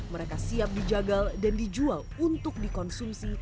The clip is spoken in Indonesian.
mereka siap dijagal dan dijual untuk dikonsumsi